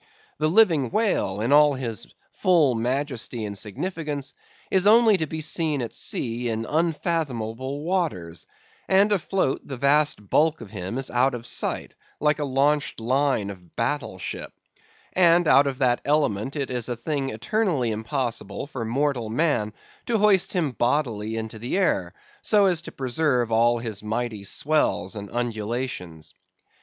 The living whale, in his full majesty and significance, is only to be seen at sea in unfathomable waters; and afloat the vast bulk of him is out of sight, like a launched line of battle ship; and out of that element it is a thing eternally impossible for mortal man to hoist him bodily into the air, so as to preserve all his mighty swells and undulations.